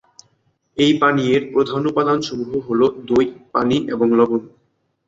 এই পানীয়ের প্রধান উপাদানসমূহ হল দই, পানি এবং লবণ।